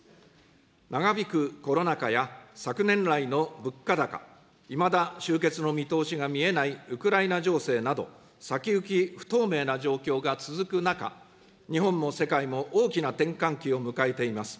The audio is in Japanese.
長引くコロナ禍や昨年来の物価高、いまだ終結の見通しが見えないウクライナ情勢など、先行き不透明な状況が続く中、日本も世界も大きな転換期を迎えています。